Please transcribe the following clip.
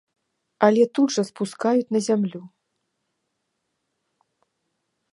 Але тут жа спускаюць на зямлю.